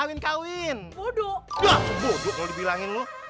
wah bodoh ngoloh dibilangin lo